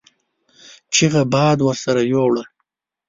چيغه باد ورسره يو وړه.